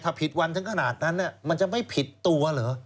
ถ้าผิดวันถึงขนาดนั้นมันจะไม่ผิดตัวเหรอ